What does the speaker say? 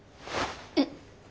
えっ！？